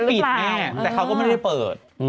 เขาก็ไม่ได้ปิดแต่เขาก็ไม่ได้เปิด